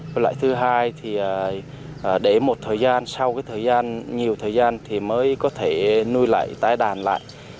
cái loại thứ hai thì để một thời gian sau cái thời gian nhiều thời gian thì mới có thể nuôi lại tái đàn lại